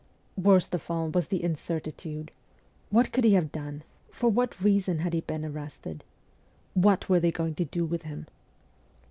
Worst of all was the incertitude. What could he have done ? For what reason had he been arrested ? What were they going to do with him